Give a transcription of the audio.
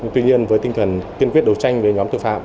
tuy nhiên với tinh thần tiên quyết đấu tranh với nhóm thư phạm